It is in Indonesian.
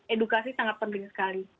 edukasi sangat penting sekali